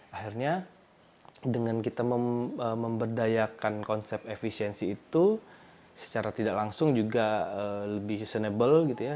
akhirnya dengan kita memberdayakan konsep efisiensi itu secara tidak langsung juga lebih sustainable gitu ya